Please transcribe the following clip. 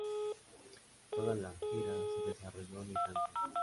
Toda la gira se desarrolló en Irlanda.